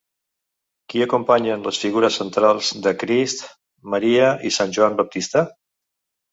Qui acompanyen les figures centrals de Crist, Maria i Sant Joan Baptista?